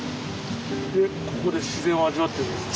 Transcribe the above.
でここで自然を味わってるんですか？